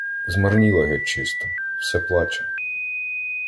Змарніла геть-чисто, все плаче.